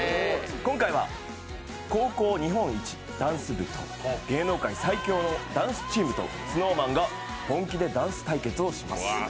今回は高校日本一ダンス部と芸能界最強のダンスチームとＳｎｏｗＭａｎが本気でダンス対決をします。